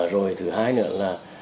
rồi thứ hai nữa là